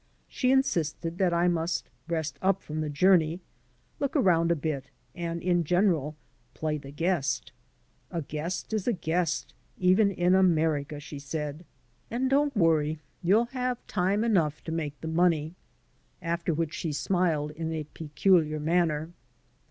She insisted that I must rest up from the journey, look around a bit, and in general play the guest. "A guest is a guest even in America," she said. "And don't worry," she added; 74 THE IMMIGRANT'S AMERICA you'll have time enough to make the money." After which she smiled in a peculiar manner.